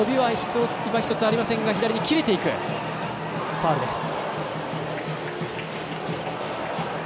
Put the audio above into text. ファウルです。